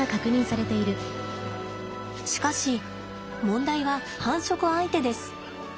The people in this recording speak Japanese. しかし問題は繁殖相手です。